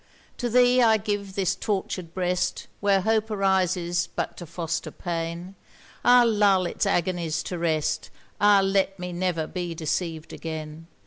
To thee I give this tortured breast, Where Hope arises but to foster pain; Ah! lull it's agonies to rest! Ah! let me never be deceiv'd again!